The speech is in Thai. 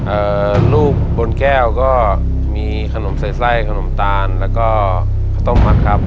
เอ่อรูปบนแก้วก็มีขนมไส้ขนมตาลแล้วก็ขนมมันครับ